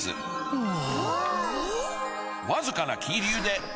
おぉ。